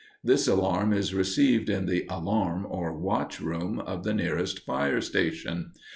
This alarm is received in the alarm or "watch room," of the nearest fire station.